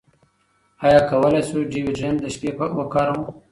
ایا کولی شو ډیوډرنټ د شپې وکاروو؟